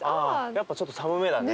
やっぱちょっと寒めだね。